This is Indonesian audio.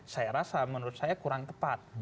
saya rasa menurut saya kurang tepat